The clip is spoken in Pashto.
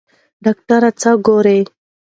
ډاکټره څه ګوري؟